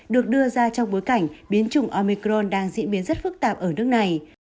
được đưa ra trong bối cảnh biến chủng omicron đang diễn biến rất phức tạp ở nước này